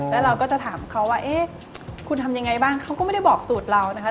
แล้วเราก็จะถามเขาว่าเอ๊ะคุณทำยังไงบ้างเขาก็ไม่ได้บอกสูตรเรานะคะ